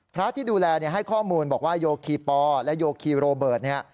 ที่ดูแลให้ข้อมูลบอกว่าโยคีปอและโยคีโรเบิร์ตเนี่ย